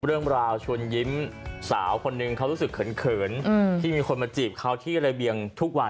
เรื่องราวชวนยิ้มสาวคนหนึ่งเขารู้สึกเขินที่มีคนมาจีบเขาที่ระเบียงทุกวัน